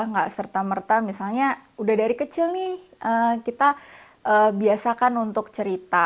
nggak serta merta misalnya udah dari kecil nih kita biasakan untuk cerita